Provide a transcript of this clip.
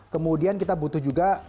kemudian kita butuh juga